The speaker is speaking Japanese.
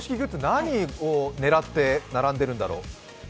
何を狙って並んでるんだろう？